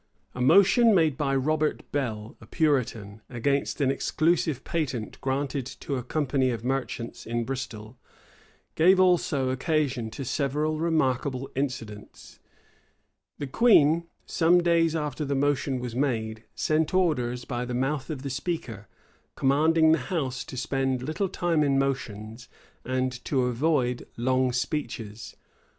A motion made by Robert Bell, a Puritan, against an exclusive patent granted to a company of merchants in Bristol,[] gave also occasion to several remarkable incidents. The queen, some days after the motion was made, sent orders, by the mouth of the speaker, commanding the house to spend little time in motions, and to avoid long speeches.